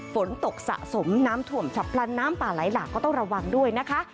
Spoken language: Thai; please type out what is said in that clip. ฝนตกสะสมน้ำท่วมฉับพลันน้ำป่าไหลหลากก็ต้องระวังด้วยนะคะ